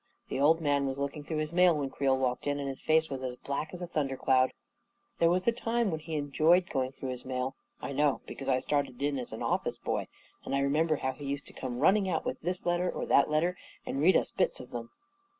The old man was looking through his mail when Creel walked in, and his face was as black as a thun der cloud. There was a time when he enjoyed go ing through his mail — I know, because I started in as office boy, and I remember how he used to come running out with this letter or that letter and read us bits of them.